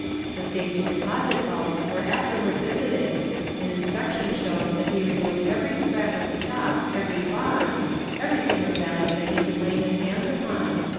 The safety deposit vaults were afterward visited and inspection shows that he removed every scrap of stock, every bond, everything of value that he could lay his hands upon.